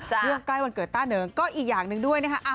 ใกล้วันเกิดต้าเหนิงก็อีกอย่างหนึ่งด้วยนะคะ